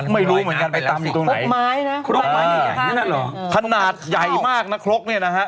ไม่รู้เหมือนกันไปตามอยู่ตรงไหนขนาดใหญ่มากนะครกเนี่ยนะฮะ